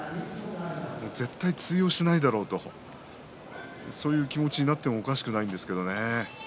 絶対に通用しないだろうとそういう気持ちになってもおかしくないですけどね。